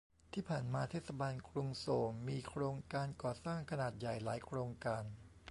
ที่ผ่านมาเทศบาลกรุงโซลมีโครงการก่อสร้างขนาดใหญ่หลายโครงการ